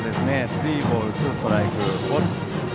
スリーボール、ツーストライク。